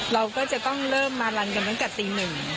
เราก็จะต้องเริ่มมารันตั้งแต่ตี๑